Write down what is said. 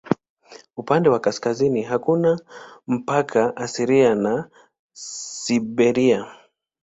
Upande wa kaskazini hakuna mpaka asilia na Siberia.